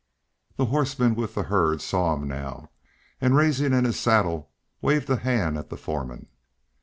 The horseman with the herd saw him now, and rising in his saddle, waved a hand at the foreman.